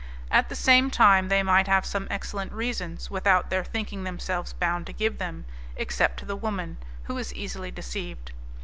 At the same time, they might have some excellent reasons, without their thinking themselves bound to give them, except to the woman, who is easily deceived.